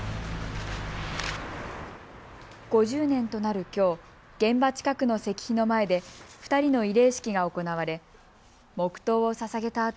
５０年となるきょう現場近くの石碑の前で２人の慰霊式が行われ黙とうをささげた